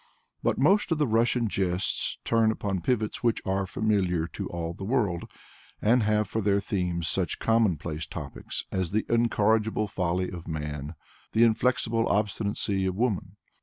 But most of the Russian jests turn upon pivots which are familiar to all the world, and have for their themes such common place topics as the incorrigible folly of man, the inflexible obstinacy of woman.